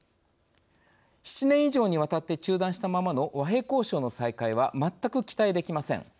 ７年以上にわたって中断したままの和平交渉の再開は全く期待できません。